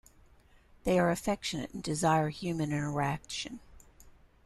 They are affectionate and desire human interaction.